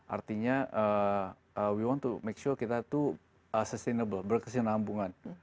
artinya we want to make sure kita itu sustainable berkeselambungan